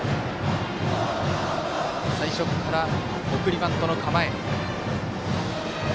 最初から送りバントの構え。